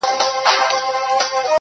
چي شېردل يې کړ د دار تمبې ته پورته٫